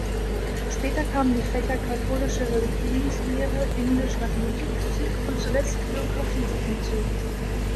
Später kamen die Fächer katholische Religionslehre, Englisch, Mathematik, Physik und zuletzt Geografie hinzu.